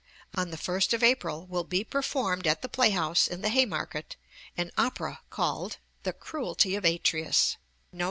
'On the first of April will be performed at the Play house in the Hay market an opera call'd The Cruelty of Atreus. N.B.